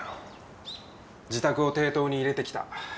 自宅を抵当に入れてきた。